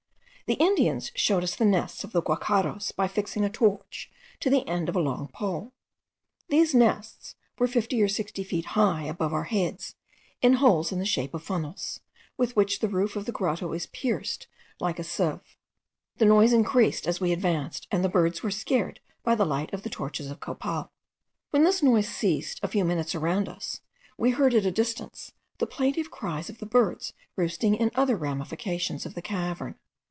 The Indians showed us the nests of the guacharos by fixing a torch to the end of a long pole. These nests were fifty or sixty feet high above our heads, in holes in the shape of funnels, with which the roof of the grotto is pierced like a sieve. The noise increased as we advanced, and the birds were scared by the light of the torches of copal. When this noise ceased a few minutes around us, we heard at a distance the plaintive cries of the birds roosting in other ramifications of the cavern.